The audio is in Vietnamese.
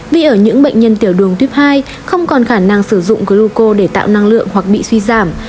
vì ở những bệnh nhân tiểu đường tuyếp hai không còn khả năng sử dụng gluco để tạo năng lượng hoặc bị suy giảm